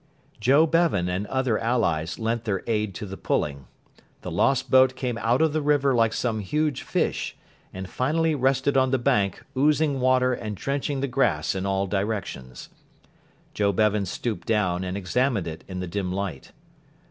Joe Bevan and other allies lent their aid to the pulling. The lost boat came out of the river like some huge fish, and finally rested on the bank, oozing water and drenching the grass in all directions. Joe Bevan stooped down, and examined it in the dim light.